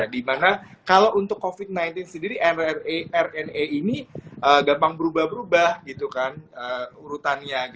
dimana kalau untuk covid sembilan belas sendiri rna ini gampang berubah berubah gitu kan urutannya